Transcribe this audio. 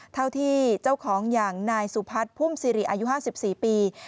เท่าที่เจ้าของอย่างนายสุพัฒน์พุ่มสิริอายุ๕๔ปี